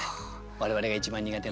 我々が一番苦手な。